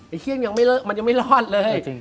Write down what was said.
ไอ้เฮียงมันยังไม่รอดเลย